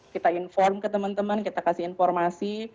kita inform ke teman teman kita kasih informasi